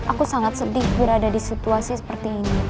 aku sangat sedih berada di situasi seperti ini